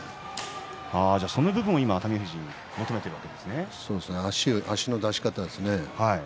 その部分を今、熱海富士に足の出し方ですね。